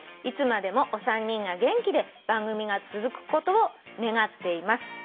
「いつまでもお三人が元気で番組が続くことを願っています」